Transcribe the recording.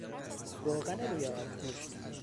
روغن روی آبگوشت